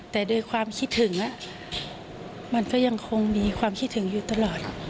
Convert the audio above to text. แต่โดยความคิดถึงมันก็ยังคงมีความคิดถึงอยู่ตลอด